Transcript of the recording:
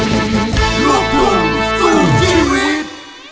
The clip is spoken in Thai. ลูกลูกสู้ชีวิต